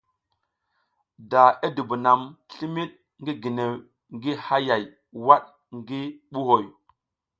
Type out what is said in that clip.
Da i dibunam limid ngi ginew ngi hayay wad ngi buhoy.